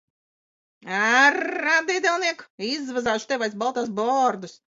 Ārā, diedelniek! Izvazāšu tevi aiz baltās bārdas.